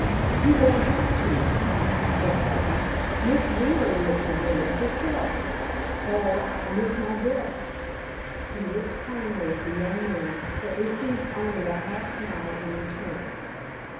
"You won't have to," said Stone; "Miss Wheeler will prevent it herself—or I miss my guess!" He looked kindly at the young man, but received only a half smile in return.